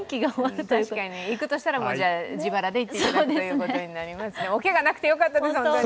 行くとしたら、自腹で行くということになりますが、おけがなくてよかったです、本当に。